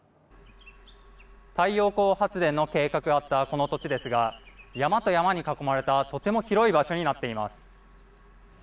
太陽光発電の計画があったこの土地ですが山と山に囲まれたとても広い場所になっています。